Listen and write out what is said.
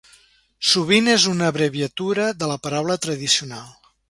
sovint és una abreviatura de la paraula "tradicional".